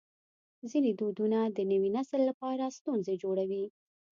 ځینې دودونه د نوي نسل لپاره ستونزې جوړوي.